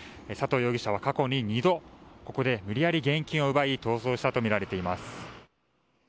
佐藤容疑者は過去に２度、ここで無理やり現金を奪い逃走したとみられています。